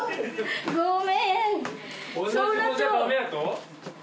ごめん！